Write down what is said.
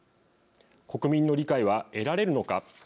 国民の理解は得られるのか。